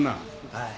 はい。